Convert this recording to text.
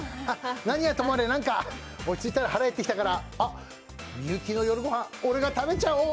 何はともわれ、何か落ち着いたら腹へってきたから、みゆきの夜御飯食べちゃおう。